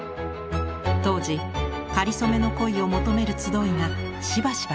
当時かりそめの恋を求める集いがしばしば開かれていました。